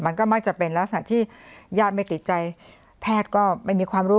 มันก็มักจะเป็นลักษณะที่ญาติไม่ติดใจแพทย์ก็ไม่มีความรู้